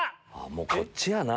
もうこっちやな。